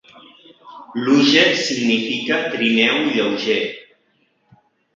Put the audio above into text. Luge significa trineu lleuger.